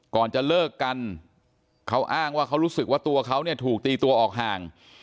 ก่อนจะเลิกกันเขาอ้างว่าเขารู้สึกว่าตัวเขาเนี่ยถูกตีตัวออกห่าง